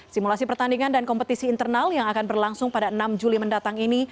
simulasi pertandingan dan kompetisi internal yang akan berlangsung pada enam juli mendatang ini